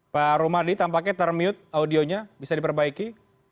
pak rumadi tampaknya ter mute audionya bisa diperbaiki